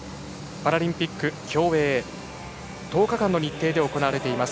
パラリンピック競泳１０日間の日程で行われています。